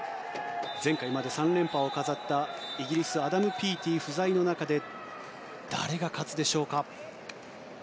前回まで３連覇を飾ったイギリス、アダム・ピーティ不在の中で誰が勝つでしょうか。